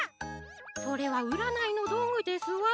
それはうらないのどうぐですわ！